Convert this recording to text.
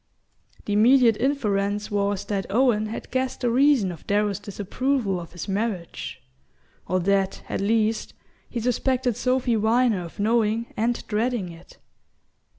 The immediate inference was that Owen had guessed the reason of Darrow's disapproval of his marriage, or that, at least, he suspected Sophy Viner of knowing and dreading it.